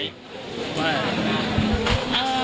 ว่า